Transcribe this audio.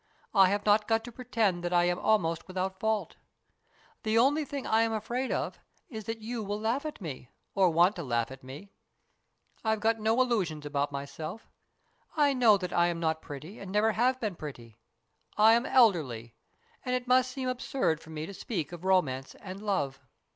I have not got to pretend that I am almost without fault. The only thing I am afraid of is that you will laugh at me, or want to laugh at me. I've got no illusions about myself. I know that I am not pretty and never have been pretty. I am elderly, and it must seem absurd for me to speak of romance and love."